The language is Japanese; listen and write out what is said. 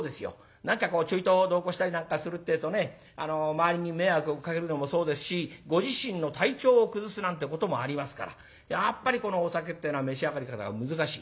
何かこうちょいと同行したりなんかするってえとね周りに迷惑をかけるのもそうですしご自身の体調を崩すなんてこともありますからやっぱりこのお酒ってえのは召し上がり方が難しい。